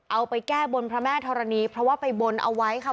เอาไปแก้บนพระแม่ธรณีเพราะว่าไปบนเอาไว้ค่ะ